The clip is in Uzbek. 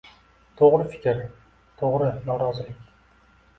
To'g'ri fikr, to'g'ri norozilik